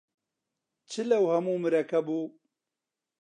چ لەو هەموو مەرەکەب و